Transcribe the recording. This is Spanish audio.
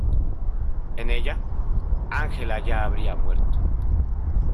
En ella, Angela ya habría muerto.